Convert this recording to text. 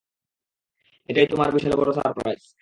এটাই তোমার বিশাল বড় সারপ্রাইজ?